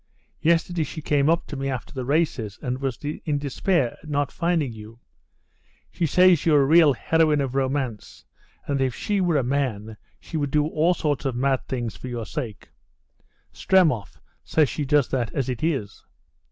Yesterday she came up to me after the races and was in despair at not finding you. She says you're a real heroine of romance, and that if she were a man she would do all sorts of mad things for your sake. Stremov says she does that as it is."